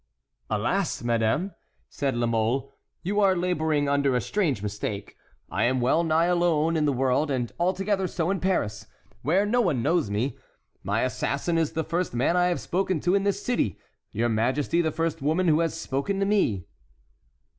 "Alas, madame," said La Mole, "you are laboring under a strange mistake. I am well nigh alone in the world, and altogether so in Paris, where no one knows me. My assassin is the first man I have spoken to in this city; your majesty the first woman who has spoken to me."